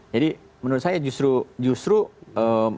jadi menurut saya justru justru memang mungkin bisa dilihat ya